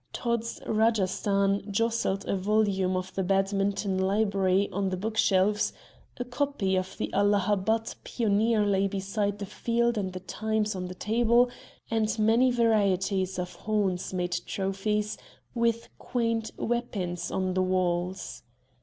Tod's "Rajasthan" jostled a volume of the Badminton Library on the bookshelves, a copy of the Allahabad Pioneer lay beside the Field and the Times on the table, and many varieties of horns made trophies with quaint weapons on the walls.